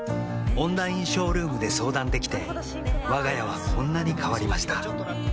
オンラインショールームで相談できてわが家はこんなに変わりました